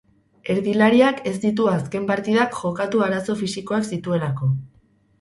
Erdilariak ez ditu azken partidak jokatu arazo fisikoak zituelako.